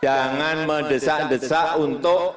jangan mendesak desak untuk